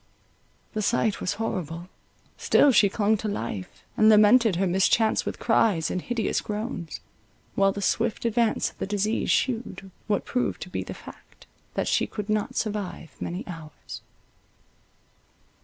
The sight was horrible; still she clung to life, and lamented her mischance with cries and hideous groans; while the swift advance of the disease shewed, what proved to be the fact, that she could not survive many hours.